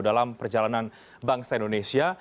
dalam perjalanan bangsa indonesia